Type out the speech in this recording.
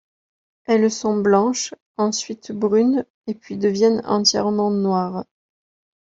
Elles sont blanches, ensuite brunes et puis deviennent entièrement noires.